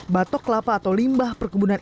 batok kelapa atau limbah perkebunan